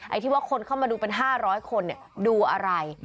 ที่ว่าคนเข้ามาดูเป็น๕๐๐คนดูอะไร